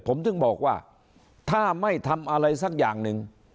ผมถึงบอกว่าถ้าไม่ทำอะไรสักอย่างหนึ่ง